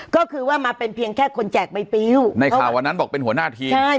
ก็คือว่ามาเป็นเพียงแค่คนแจกใบปิ๊วในข่าววันนั้นบอกเป็นหัวหน้าทีมใช่